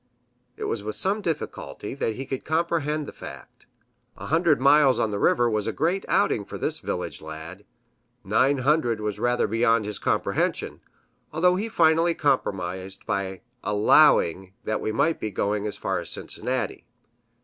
It was with some difficulty that he could comprehend the fact. A hundred miles on the river was a great outing for this village lad; nine hundred was rather beyond his comprehension, although he finally compromised by "allowing" that we might be going as far as Cincinnati.